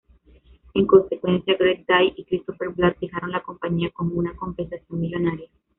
En consecuencia, Greg Dyke y Christopher Bland dejaron la compañía con una compensación millonaria.